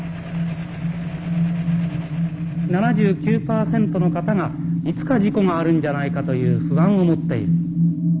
７９％の方がいつか事故があるんじゃないかという不安を持っている。